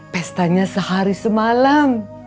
pestanya sehari semalam